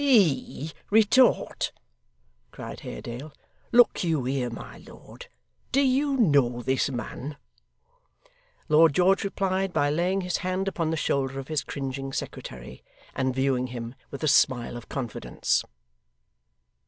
'HE retort!' cried Haredale. 'Look you here, my lord. Do you know this man?' Lord George replied by laying his hand upon the shoulder of his cringing secretary, and viewing him with a smile of confidence.